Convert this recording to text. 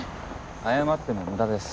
謝っても無駄です。